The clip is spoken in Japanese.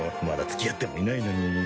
まだつきあってもいないのに